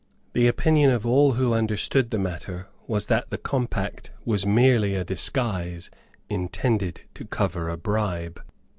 The opinion of all who understood the matter was that the compact was merely a disguise intended to cover a bribe.